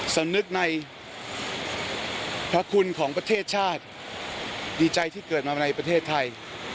สำนึกในพระคุณของประเทศชาติดีใจที่เกิดมาในประเทศไทย